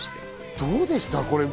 どうでした？